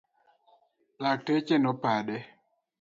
Lakteche nopande.